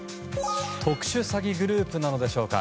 特殊詐欺グループなのでしょうか。